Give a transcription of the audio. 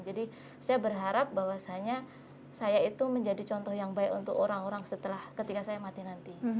jadi saya berharap bahwasanya saya itu menjadi contoh yang baik untuk orang orang setelah ketika saya mati nanti